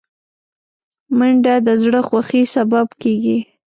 منډه د زړه خوښۍ سبب کېږي